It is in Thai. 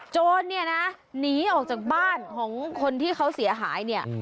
โจรเนี่ยนะหนีออกจากบ้านของคนที่เขาเสียหายเนี่ย